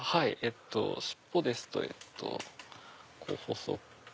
尻尾ですとこう細く。